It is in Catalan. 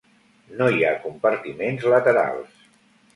No hi ha compartiments laterals.